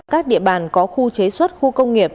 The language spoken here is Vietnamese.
các địa bàn có khu chế xuất khu công nghiệp